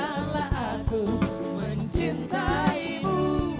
atau biarkan aku mencintaimu